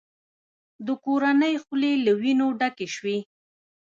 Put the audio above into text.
د کورنۍ خولې له وینو ډکې شوې.